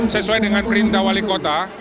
sesuai dengan perintah wali kota